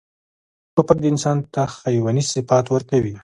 توپک انسان ته حیواني صفات ورکوي.